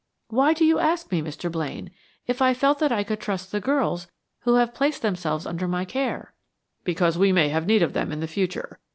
Why did you ask me, Mr. Blaine, if I felt that I could trust the girls who have placed themselves under my care?" "Because we may have need of them in the future.